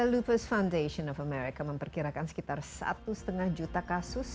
jumlah penyakit lupus di amerika memperkirakan sekitar satu lima juta kasus